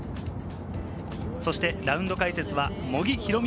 ラウンド解説は茂木宏美